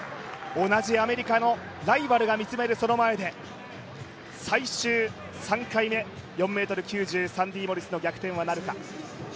同じアメリカのライバルが見つめるその前で最終、３回目４ｍ９０サンディ・モリスの逆転はなるか。